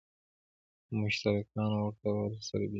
مشترکاتو او ورته والو سره بېلېږي.